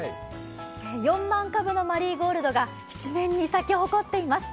４万株のマルーゴールドが一面に咲き誇っています。